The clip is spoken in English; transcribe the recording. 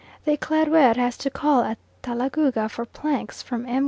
The Eclaireur has to call at Talagouga for planks from M.